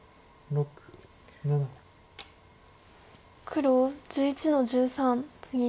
黒１１の十三ツギ。